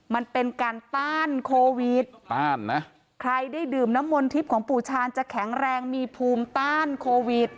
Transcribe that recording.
มันเป็นการต้านโควิดต้านนะใครได้ดื่มน้ำมนทิพย์ของปู่ชาญจะแข็งแรงมีภูมิต้านโควิด